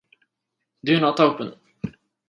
Do not open!